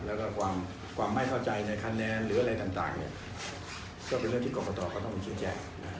แล้วก็ความไม่เข้าใจในคะแนนหรืออะไรต่างเนี่ยก็เป็นเรื่องที่กรกตก็ต้องชี้แจง